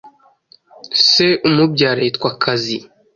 Se umubyara yitwa Kazi